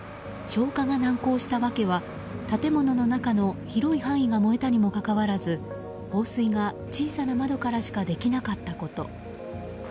消火が難航した訳は建物の中の広い範囲が燃えたにもかかわらず放水が小さな窓からしかできなかったこと。